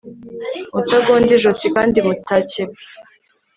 mutagonda ijosi kandi mutakebwe